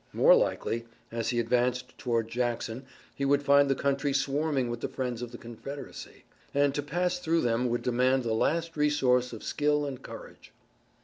More likely as he advanced toward Jackson he would find the country swarming with the friends of the Confederacy, and to pass through them would demand the last resource of skill and courage.